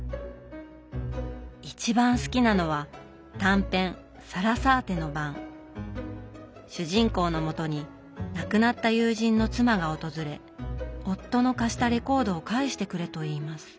一番好きなのは短編主人公のもとに亡くなった友人の妻が訪れ夫の貸したレコードを返してくれと言います。